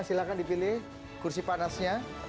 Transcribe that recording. silahkan dipilih kursi panasnya